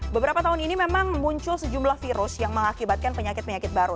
beberapa tahun ini memang muncul sejumlah virus yang mengakibatkan penyakit penyakit baru